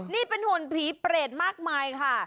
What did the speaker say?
นี่เป็นหุ่นผีเปรตมากมายค่ะ